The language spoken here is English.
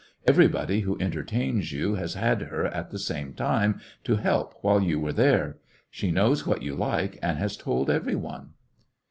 Everybody who entertains you has had her at the same time, to help while you were there. She knows what you like and has told every one."